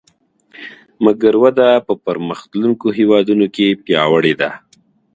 مګر وده په پرمختلونکو هېوادونو کې پیاوړې ده